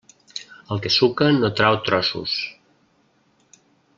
El que suca no trau trossos.